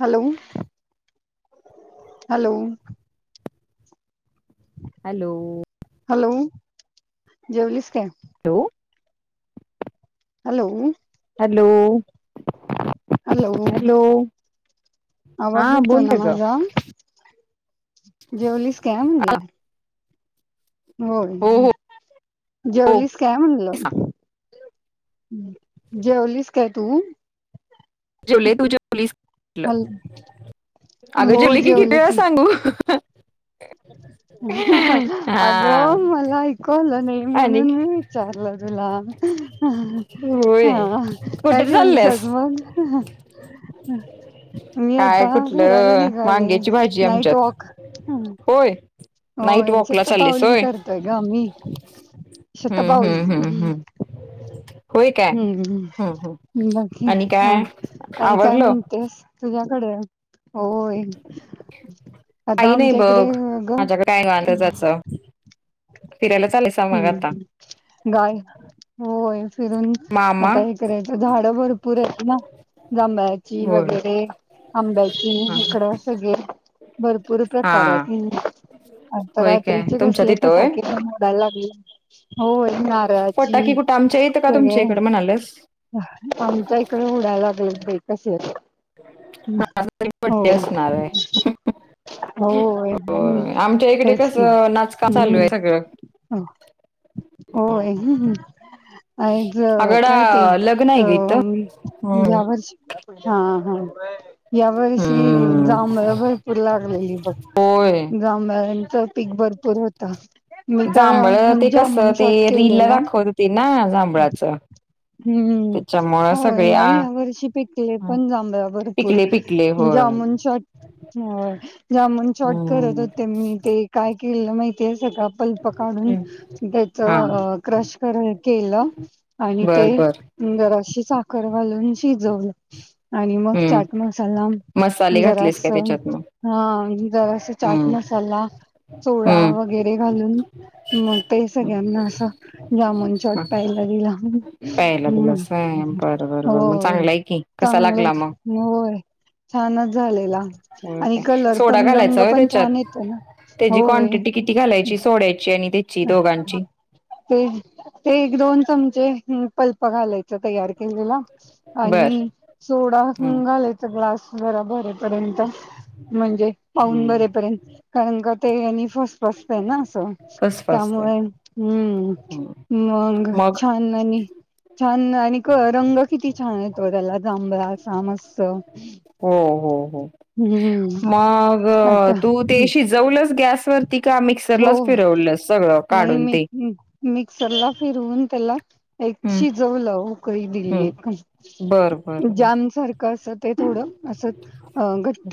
Hello hello hello hello जेवलीस काय तो हॅलो हॅलो हॅलो हा आवाज येतो बोल ना की ग माझा जेवलीस काय म्हणलं होय हो हो हो जेवलीस काय म्हणलं जेवलस काय तू जुले तुझ्या हॅलो पोलीसलं अगं जेवले की किती वेळा सांगू [inaudible] हा अगं मला ऐकू आलं नाही आणि म्हणून मी विचारलं तुला होय हा काय कुठे जेवली चालल्यास आज मग हम् हम् मी काय आता फिरायला कुठलं निघाले वांग्याची भाजी नाईट आमच्यात वॉक होय नाईट होय वॉकला चाललीस शतपावली होय करतोय ग मी हम्म शतपावली हम्म हम्म हम्म होय काय हम्म हम्म हग बाकी आणि हा काय आणि काय आवरलं म्हणतेस तुझ्याकडे होय आता काही नाही आमच्या बघ इकडे ग माझ्याकडे काय निवांत जायचं फिरायला चालायसा मग आता हम्म गाय होय फिरून मामा आता हे करायचं झाडं भरपूर आहेत ना जब्याची होय वगैरे आंब्याची हा हा इकडं सगळे भरपूर हा प्रकारात आता होय काय रात्रीचे तुमच्या कसले तिथं होय फटाके पण मोडायला लागले होय नारळाची फटाकी कुठं आमच्या इथं का सगळे तुमच्या इकडे म्हणालेस आमच्या इकडे उडायलागेल कसे आहे तरी बड्डे असणार आहे होय हो हम्म आमच्या इकडे तेच कस नाचक चालू आहे सगळं हो हो अज अगडा काय ते लग्न अ आहे ग इथं हम्म म्हणजेवरर्ष हा हा या वर्षी हम्म जभळ भरपूर लागलेली बघ होय गांळ्यांचा पीक भरपूर होता मी तर जांभळ ते कसं जामन ते शॉट रील ला केलेला दाखवत होते ना जांभळाचं हम्म त्याच्यामुळं होय सगळे आ नाही ह्या वर्षी पिकले पण जांभला भरपूर पिकले पिकले होय जामणच्या हो जामन शॉट करत हम्म होते मी ते काय केलं माहितीे पल्प काढून त्याच हा क्रश केलं आणि ते बर बर सुंदरशी साखर घालून शिजवलं आणि मग हम्म चचाट मसाला मसाले घातलेस दरास काय त्याच्यात मग हा दरस ाट हम्म मसाला सोडा वगैरे घालून मग ते सगळ्यांना असं जाम हम्म शॉट पहायला गेला प्यायला हम्म दिलास होय बरं बरं बरं मग होय चांगला आहे की कसा चांगलं लागला मग होय छानच झालेला होय आणि काय कलर सोडा पण घालायचा रंग होय पण त्याच्यात छान येतो ना त्याची होय क्वांटिटी किती घालायची सोडायची आणि त्याची दोघांची ते ते एक दोन चमचे पल्प घालायच तयार केलेला आणि बर सोडा हम्म घालायच ग्लास जरा भरेपर्यंत म्हणजे पाहून हम्म बरेपर्यंत कारण का ते फसट फसतय ना असं फसफसत म आहे. हम्म हम्म. मग छान आणि छान आणि रंग किती छान येतो त्याला जांबळा असा मस्त हो हो हो हम्म मग आता तू त्याशी जलच गॅस हो नाही काढून म ते मिक्सरला फिरवून त्याला एक हम्म शिजव लाव हम्म बर बर बर दिलीम सारख अस ते थोड असट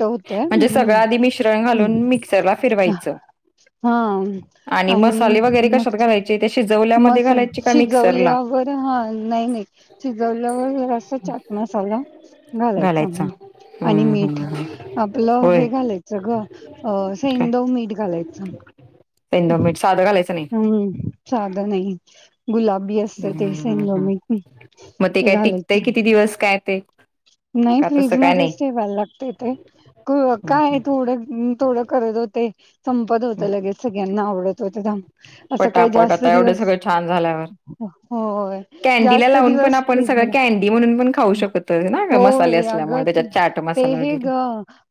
होते हम्म म्हणजे सगळं आधी हम्म मिश्रण घालून मिक्सर फिरवायच हा आणि मसाले वगैरे कशात घालायचे त्या शिजवल्यामध्ये घालायचे का मिक्सरला बर हा नाही नाही शिजवल्यावर अस चाट मसाला घालायचा म्ह आणि हम्म मीठ हम्म हम्म आपलं होय हे घालायचं ग काय सेड मीठ घालायच सेंधव हम् मीठ साधं घालायचं नाही साध नाही गुलाबी असत ते हम्म हम्म सलो हम्म मी मग ते काय टिकतंय घालायचं किती दिवस काय ते नाही का फ्रीज तसं काय नाही मध्येच ठेवायला लागते ते हम्म काय थोडं थोडं करत होते संपत हम्म होतं लगेच सगळ्यांना आवडत होतं असं काही पटापट जास्त आता एवढं दिवस सगळं छान झाल्यावर हो कॅन्डीला जास्त लावून पण आपण सगळं दिवसजला कॅन्डी म्हणून पण खाऊ शकतो ना ग मसाले होय असल्यामुळे अगं त्याच्यात चाट ते मसाला हे वगैरे ग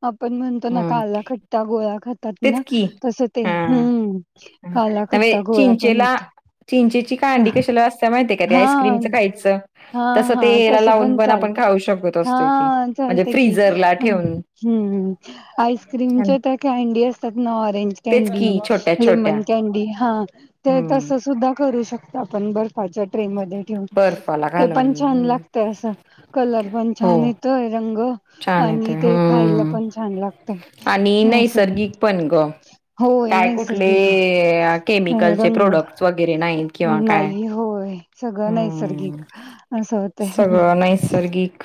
आपण म्हणतो ना हम्म काला खट्ट गोळा खट तेच ना की तस ते हा हम्म काला नव्हे खट्टा गोळा्या पण चिंचेला होत्या चिंचेची कांडी कशाला असत्या माहििते हा हा हा ते याला तस लावून पण आपण चालत खाऊ शकत हा असतोय की म्हणजे चालते फ्रीझरला ठेवून हम् आईसक्रीम हा ना च तर खय ऑरेंज तेच की कॅडी छोट्या छोट्या लेमन कॅनडी हा तर हम्म तस सुद्धा करू शकत आपण बर्फाच्या ट्रे मध्ये ठेऊन बर्फाला ते घालून पण छान हम्म लागत असं कलर हो पंछाान तोय रंग छान आणि येतोय ते खायला हम्म पण छान लागते आणि अस नैसर्गिक पण ग होय काय कुठले नैसर्गिक अ केमिकलचे रंग प्रोडक्ट्स वगैरे नाहीत किंवा काय नाही होय सगळं हम्म नैसर्गिक असं होत सगळं नैसर्गिक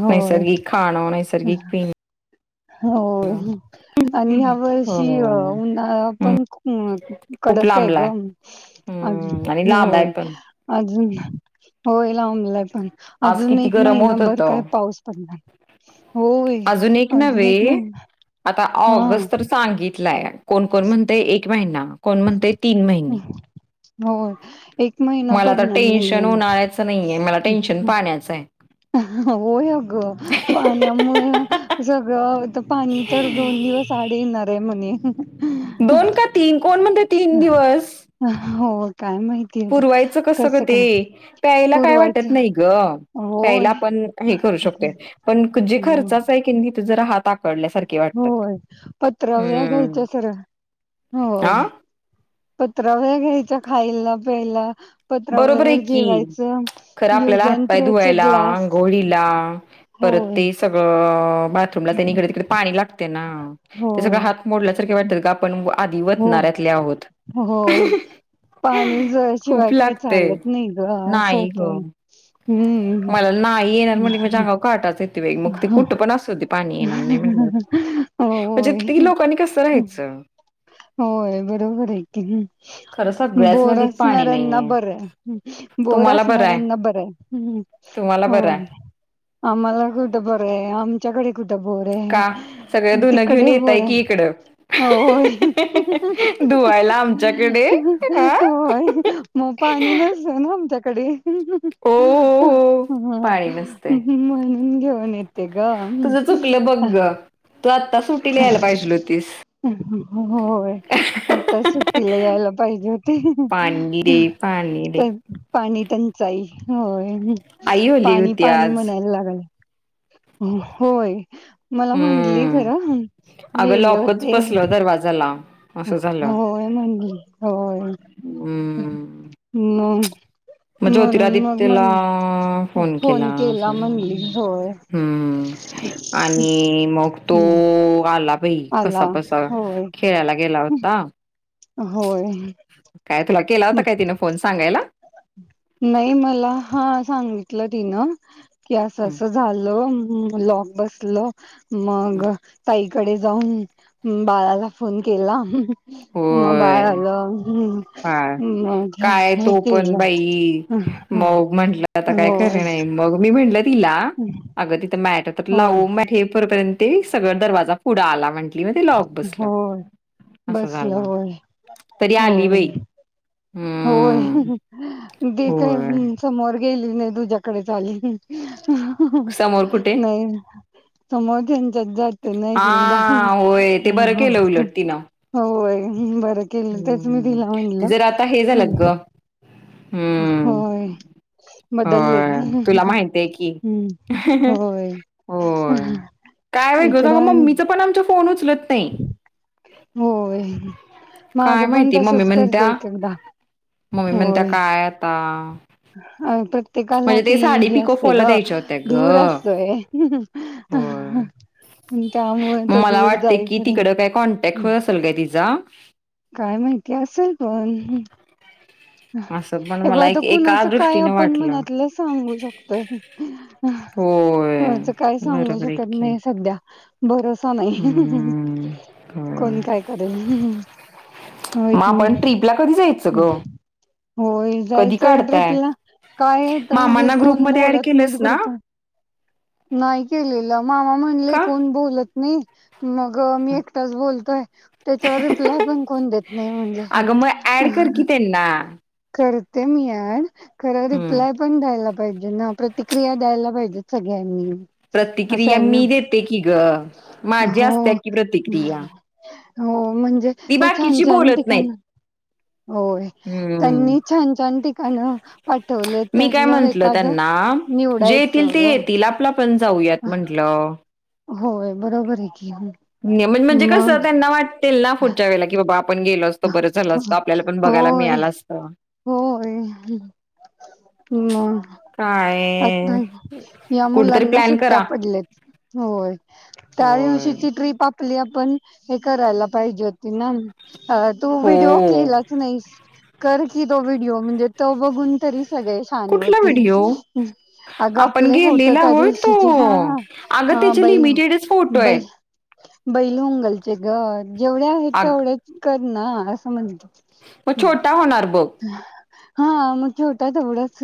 होय नैसर्गिक खाणं नैसर्गिक पीन हो आणि ह्या हो वर्षी उन्हाळा हम्म, पण खूप कडक आहे लांबलाय गम अ हम्म आणि लांब आहे होय पण अजून होय लाबलाय पण आज अजून किती एक गरम होत महिनाभर काय होतं पाऊस पडला होय अजून एक न महिना आता हा ऑगस्ट तर सांगित य कोण कोण म्हणत एक महिना कोण म्हणत तीन महिने हो एक महिना मला तर पडणार नाही टेन्शन उन्हाळ्याचं नाहीये मला टेन्शन आहे पाण्याचं आहे हो अग पाण्यामुळे सगळं पाणी तर दोन दिवस साडीणार रे मुनी दोन का तीन कोण म्हणते तीन दिवस ह ह हो काय माहितीय आता पुरवायचं कसं ग ते प्यायला काय वाटत पुरवायचं नाही ग प्यायला होय आपण हे करू शकतोय, पण जे खर्चाच आहे की नई तीथ जरा हात आकडल्यासारखे वाटतात होय पत्र व्या हम्म घायच्या सरळ. हा पत्रावळ्या घ्यायच्या खायला प्यायला बरोबर आहे पत्रावळ्यावर की, जेवायचं खरं यूज आपल्याला अँड हातपाय थ्रो चे धुवायला ग्लास अंघोळीला परत होय ते सगळं बाथरूमला तेन हिकडं तिकड पाणी लागतय ना, ते सगळ होय हात मोडल्यासारखे वाटतात आपण हो आधिवतनाऱ्यातले आहोत होय पाणी ज खूप शिवाय काय ते चालत नाही ग असं नाही ग, होतंय हम्म मला नाही येणार म्हटल की माझ्या अंगावर काटाच [unintelligible] मग ते कुठ पण असुदे पाणी येणार नाही म्हंटल्यावर, म्हणजे होय इतकी लोकांनी कसं राहायचं? होय बरोबर आहे की, खरं सगळ्याच बोर नदीत पाणी असणारऱ्यांना नाहीये. बर बोर तुम्हाला बरं आहे, असणाऱ्याना बर हाय, हम् तुम्हाला बरं आहे. होय. आम्हाला कुठ बर आहे आम बोर का सगळं आहे धुनं घेऊन तिकडे बोर येताय की आहे इकडं होय धुवायला आमच्याकडे हा वय म पाणी नसतय ना आमच्यात. हो हो हो पाणी नसतय [unintelligible] [inaudible] घेऊन येते ग तुझं चुकलं बघ ग, तू आत्ता सुटीला यायला पाहिजेल होतीस होय आता सुट्टीला यायला पाहिजे होती पाणी दे पाणी दे तर पाणी तचांई, होय. आई ओली पाणी होती पाणी आज म्हणायला लागलाय. होय मला म्हणली खर हम्म अगं गेले लॉकच होते. बसलं दरवाजाला असं झालं होय, म्हणजे होय, हम्म म मग जोतिरादिक्तेला फोन केला. हम्म आणि मग तो आला. भाई आला कसा बसा, होय खेळायला गेला होता. होय. काय तुला केला होता काय तिन फोन सांगायला? नाही मला हा सांगितलं तिन की असं अस झालं ह लॉक बसल मग तई कडे जाऊन बाळाला फोन केला म होय. बाळ आलं, हम्म. हा काय तो पण बाई मग म्हटलं आता काय खरे होय, नाही, मग मी म्हटलं तिला अगं तिथं मॅट तर होय, लावु, म हे पर्यंत ते सगळ दरवाजा पुढा आला म्हट लॉक बसल, होय. अस झाल. बसलं होय, तरी आली होय, बाई होय हम्म ती काय होय समोर गेली नाही, तुझ्याकडच आली. नाही समोर [unintelligible] कुठे [unintelligible] नाही एक हा होय ते बरं केलं उलट तिनं होय ब हम्म, ते जरा आता हे झाल्यात ग हम्म होय. बदलले होय तुला माहित आहे की हम्, होय. होय [unintelligible] [inaudible] काय वेगळच आग, इकडं मम्मीचं पण आमच्या फोन उचल होय. काय माझं पण माहिती मम्मी तसच करते म्हणत्या एक-एकदा, मम्मी म्हणत्या होय. काय आता अ प्रत्येकाला म्हणजे ती ते साडी हे पिको असतय ग फॉलला द्यायच्या होत्या ग धूर असतोय. होय [unintelligible] [inaudible] काम वय मग तर मला दूर वाटते जाई की तिकडं काय कॉन्टॅक्ट पर्यंत होत असेल काय तिचा काय माहितीय असेल पण असं पण हे बग मला आता एक एका कुणाच काय दृष्टीने आपण वाटलं मनातलं सांगू शकतोय होय हो तर काय सांगू बरोबर आहे शकत की नाही सध्या भरोसा नाही हम्म होय कोणी काय करेल होय मग की आपण ट्रीपला कधी जायचं ग हम् होय कधी जायचंय काढताय ट्रीपला काय तर हे मामांना कोण ग्रुपमध्ये ऍड बोलत नाहीत केलंस ना ग्रूप वर नाही केलेलं मामा म्हणले का कोण बोलत नाही मग मी एकटाच बोलतोय त्याच्यावर रिप्लाय पण कोण देत नाही म्हणले अगं मग ऍड कर की त्यांना करते मी ऍड खरं हम्म रिप्लाय पण द्यायला पाहिजे ना प्रतिक्रिया द्यायला पाहिजे सगळ्यांनी असं प्रतिक्रिया आहे ना मी देते की ग माझी हो असत्या की हम प्रतिक्रिया हो म्हणजे का ती ते छान बाकीची छान बोलत ठिकाण नाहीत होय हम्म त्यांनी छान छान ठिकाण पाठवले मी काय त्यातलं म्हंटल एखादं त्यांना जे निवडायचं येतील ते ग येतील आपलं पण जाऊयात म्हंटलं होय बरोबर आहे की म म्हणजे मग कसं त्यांना वाटतील ना पुढच्या वेळेला की बाबा आपण गेलो असतो बर झाल असत आपल्याला पण बघायला होय मिळालं असत हम् आ काय या कुठेतरी मुलांना प्लॅन सुट्ट्या करा. पडल्यात होय त्या होय. दिवशीची ट्रीप आपली आपण हे करायला पाहिजे होती ना अ तू व्हिडिओ हो. केलाच नाहीस कर की तो व्हिडिओ म्हणजे तो बघून तरी सगळे शहाने कुठला व्हिडिओ? होतील अगं आपण आपले फोटो गेलेला त्या होय तो. दिवशीचे हा अगं हा त्याचे बैल लिमिटेडच फोटो बैल आहेत. बैल उंगलचे ग जेवढे आहे अग तेवढेच कर ना असं म्हणतो मग छोटा होणार बघ. हा म छोटा तवढंच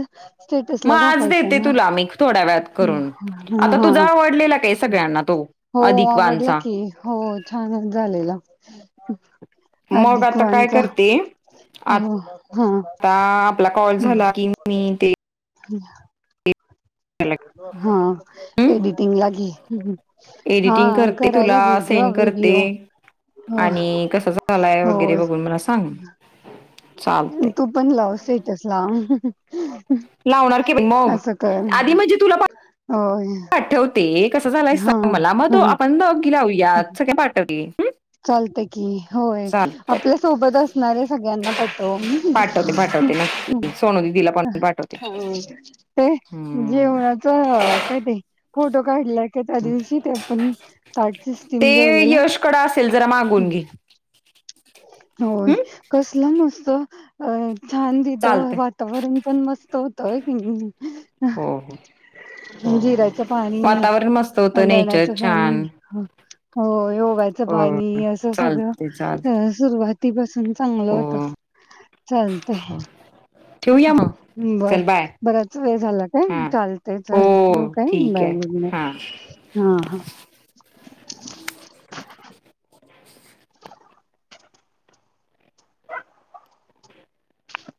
स्टेटस मग ला आज टाकायचं देते ना तुला मी थोड्या वेळात करून. आता तुझा ह आवडलेला काय सगळ्यांना तो हो अधिक आवडला वानचा. की हो छान झालेला मग अधिक आता काय वानचा करते आ हो हा ता आपला कॉल झाला की मी ते हम् हा हं एडिटिंग ला घे हा करायला घे ग न करते व्हिडिओ हो आणि कंस झालाय वगैरे होय बघून मला सांग! चालतंय तू पण लाव स्टेटस लाव. लावणार की बाई, मग आधी म्हणजे तुला- होय पाठवते कसं झालंय हा सांग मला मग तो हा आपण दोघी लावूयात सगळ्या पाठवतील चालत की होय! आपल्या सोबत असणारे सगळ्यांना पाठव. पाठवते पाठवते हुं नक्की सोनू दिदीला पण पाठवते हं ते हम्म. जेवणाचं काय ते- फोटो काढला का त्या दिवशी ते पण पार्टी ते थीम जमवलेला. यशकडं असेल जरा मागून घे- होय, हं? कसलं मस्त! अ छान तिथ चालतंय वातावरण पण मस्त होत होय कणी हो हो हो जिर्याच पाणी वातावरण मस्त होतं नेचर दाण्याचं छान पाणी- होय ओव्याचं हो पाणी असं सगळं- चालते चालते अं सुरुवातीपासून चांगलं हो होत. चालतय हो ठेवूया मग. बरं चल बाय बराच वेळ झाला काय? हा चालतय हो -चालतय ठेऊ काय ठीक बाय आहे गुड हा नाईट. हां -हां